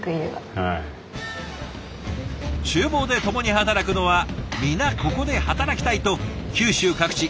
厨房で共に働くのは皆ここで働きたいと九州各地